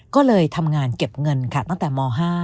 ก็เลยทำงานเก็บเงินค่ะตั้งแต่ม๕